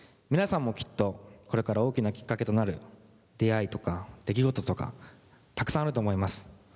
皆さんもきっとこれから大きなきっかけとなる出会いとか出来事とかたくさんあると思います。